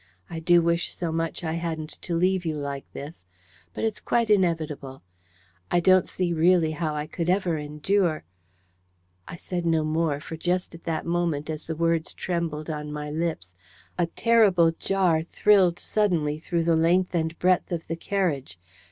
I do wish so much I hadn't to leave you like this. But it's quite inevitable. I don't see really how I could ever endure " I said no more, for just at that moment, as the words trembled on my lips, a terrible jar thrilled suddenly through the length and breadth of the carriage.